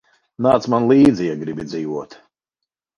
Nāc man līdzi, ja gribi dzīvot.